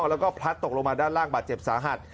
แล้วก็พลัดตกลงมาด้านล่างบาดเจ็บสาหัส